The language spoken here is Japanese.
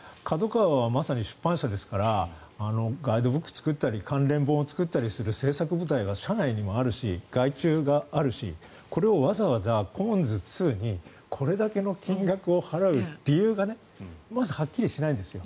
ＫＡＤＯＫＡＷＡはまさに出版社ですからガイドブックを作ったり関連本を作ったりする制作部隊が社内にもあるし、外注があるしこれをわざわざコモンズ２にこれだけの金額を払う理由がまずはっきりしないんですよ。